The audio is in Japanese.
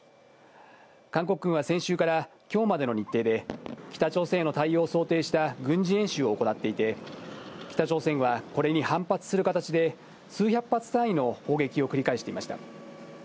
韓国軍は先週からきょうまでの日程で、北朝鮮への対応を想定した軍事演習を行っていて、北朝鮮はこれに反発する形で、数百発単位の砲撃を繰り返していました。